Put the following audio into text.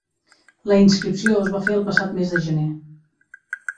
La inscripció es va fer el passat mes de gener.